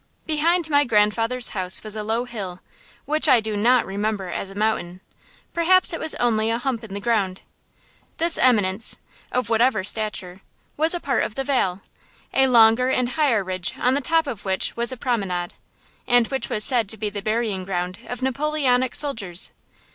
Behind my grandfather's house was a low hill, which I do not remember as a mountain. Perhaps it was only a hump in the ground. This eminence, of whatever stature, was a part of the Vall, a longer and higher ridge on the top of which was a promenade, and which was said to be the burying ground of Napoleonic soldiers.